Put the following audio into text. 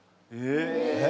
え！？